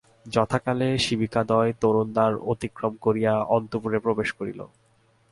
যথাকালে শিবিকাদ্বয় তোরণদ্বার অতিক্রম করিয়া অন্তঃপুরে প্রবেশ করিল।